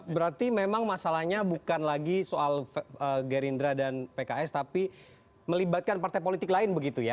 berarti memang masalahnya bukan lagi soal gerindra dan pks tapi melibatkan partai politik lain begitu ya